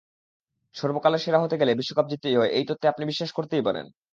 সর্বকালের সেরা হতে গেলে বিশ্বকাপ জিততেই হয়—এই তত্ত্বে আপনি বিশ্বাস করতেই পারেন।